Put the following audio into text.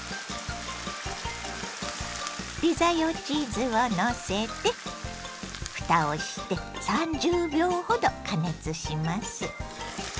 ピザ用チーズをのせてふたをして３０秒ほど加熱します。